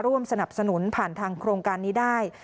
ร่วมสนับสนุนผ่านทางโครงการนี้ได้